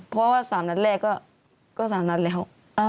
เพราะว่าสามนัดแรกก็สามนัดแล้ว